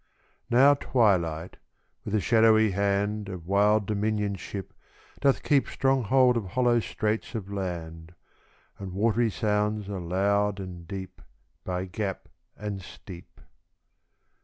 Now twilight, with a shadowy hand Of wild dominionship, doth keep Strong hold of hollow straits of land, And watery sounds are loud and deep By gap and steep.